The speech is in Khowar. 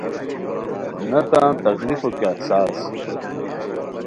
نہ تان تکلیفو کیہ احساس